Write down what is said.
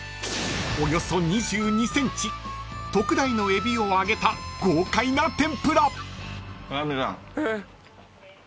［およそ２２ｃｍ特大のエビを揚げた豪快な天ぷら］